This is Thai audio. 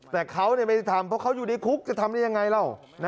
แต่เขาไม่ได้ทำเพราะเขาอยู่ในคุกจะทำได้ยังไงล่ะ